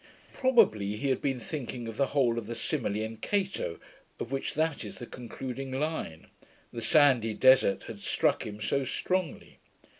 "' Probably he had been thinking of the whole of the simile in Cato, of which that is the concluding line; the sandy desart had struck him so strongly.